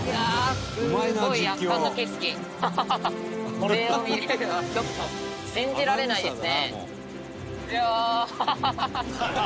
これを見れるのはちょっと信じられないですね。